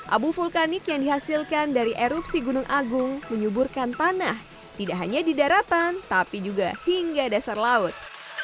abu vulkanik yang dihasilkan dari erupsi gunung agung menyuburkan tanah tidak hanya di daratan tapi juga hingga dasar laut